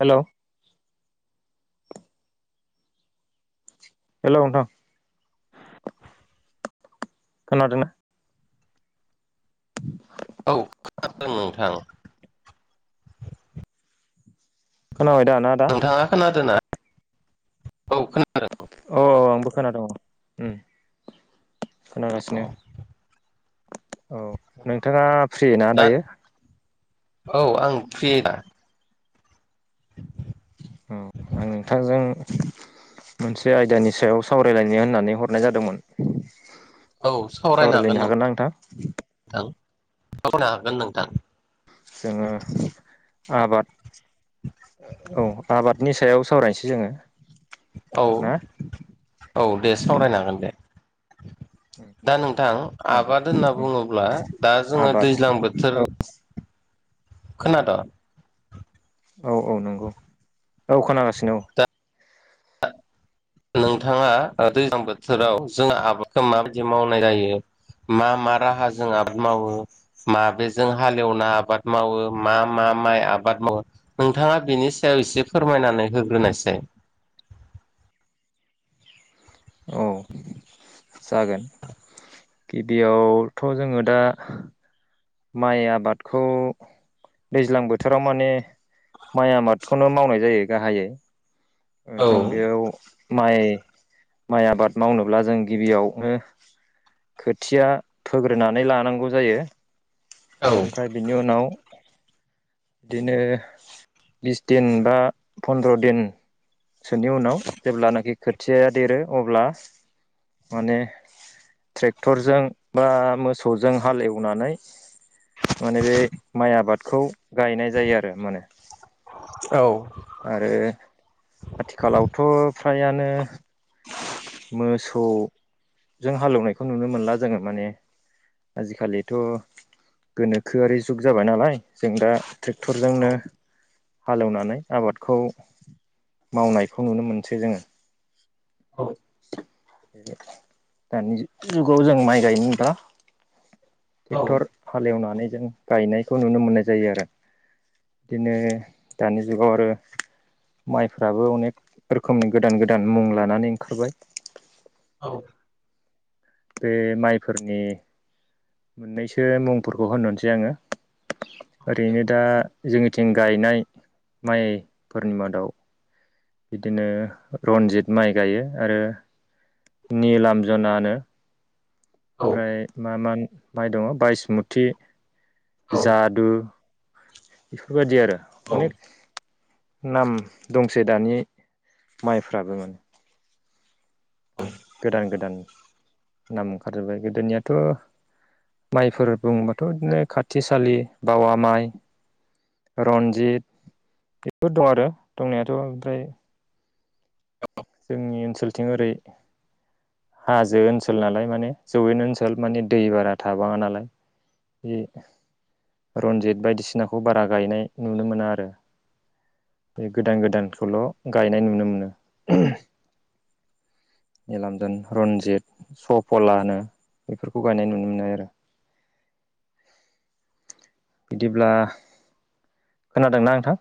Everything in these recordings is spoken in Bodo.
हेलौ हेलौ नोंथां। खोनादोंना? औ खोनादों नोंथां खोनाबाय दा ना आदा नोंथाङा खोनादोंना? औ खोनादों। औ औ आंबो खोनादों औ औ खोनागासिनो। औ नोंथाङा फ्रि ना दा दायो। औ आं फ्रिदा। आं नोंथांजों। मोनसे आयदानि सायाव सावरायलायनो होननानै हरनाय जादोंमोन। औ सावरायनो हागोन नों नोंथां। सावरायनो हागोन नोंथां। जोङो आबाद औ आबादनि सायाव सावरायनोसै जोङो। औ ना औ दे सावरायनो हागोन दे। ए। दा नोंथां आबाद होनना बुङोब्ला दा जोङो आबाद दैज्लां बोथोर। औ खोनाद' औ औ नंगौ औ खोनागासिनो औ। दा नोंथाङा दैज्लां बोथोराव जोंहा आबादखौ माबायदि मावनाय जायो मा मा राहाजों आबाद मावो माबेजों हालेवना आबाद मावो मा मा माइ आबाद माव नोंथाङा बिनि सायाव एसे फोरमायनानै होग्रोनायसाय औ। औ। जागोन गिबियावथ' जोङो दा माइ आबादखौ दैज्लां बोथोराव माने माइ आबादखौनो मावनाय जायो गाहायै जों औ बेयाव माइ माइ आबाद मावनोब्ला जों गिबियावनो खोथिया फोग्रोनानै लानांगौ जायो। औ ओमफ्राय बेनि उनाव बिदिनो बिस दिन बा फन्द्र'दिन सोनि उनाव जेब्लानाखि खोथियाया देरो अब्ला माने ट्रेक्टरजों बा मोसौजों हालेवनानै माने बे माइ आबादखौ गायनाय जायो, आरो माने आरो आथिखालावथ' फ्रायानो मोसौजों हालेवनायखौ नुनो मोनला जोङो माने आजिखालिथ' गोनोखोआरि जुग जाबाय नालाय। जों दा ट्रेक्टरजोंनो हालेवनानै आबादखौ मावनायखौ नुनो मोनसै जोङो। [inaudible] दानि जुगाव जों माइ गायनोब्ला औ ट्रेक्टर हालेवनानै जों गायनायखौ नुनो मोननाय जायो आरो। बिदिनो दानि जुगाव आरो माइफ्राबो अनेक रोखोमनि गोदान गोदान मुं लानानै ओंखारबाय औ। बे माइफोरनि मोननैसो मुंफोरखौ होनहरसै आङो ओरैनो दा जोंनि थिं गायनाय माइफोरनि मादाव बिदिनो रनजित माइ गायो आरो निलामजना नो। ओमफ्राय मा मा माइ दङ बायसमुथि जादु बेफोरबायदि आरो औ अनेक। नाम दंसै दानि माइफ्राबो माने गोदान गोदान नाम ओंखारजोबबाय गोदोनियाथ' माइफोर बुङोबाथ' बिदिनो खाथिसालि, बावा माइ, रन्जित बेफोर दं आरो दंनायाथ' ओमफ्राय औ। जोंनि ओनसोलथिं ओरै हाजो ओनसोलनालाय माने जौयेन ओनसोल माने दै बारा थाबाङा नालाय जि रन्जित बायदिसिनाखौ बारा गायनाय नुनो मोना आरो। बे गोदान गोदानखौल' गायनाय नुनो मोनो [inaudible] निलामजोन, रनजित, सफला होनो बेफोरखौ गायनाय नुनो मोननाय आरो। [inaudible] बिदिब्ला खोनादोंना नोंथां?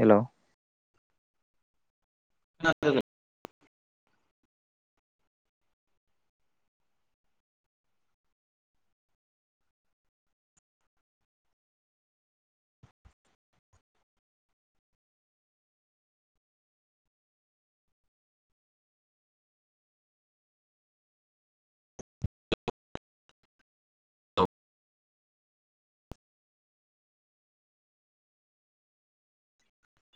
हेलौ। खोना [inaudible] [inaudible] [inaudible] [inaudible] औ